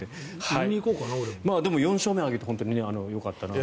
でも、４勝目を挙げて本当によかったと。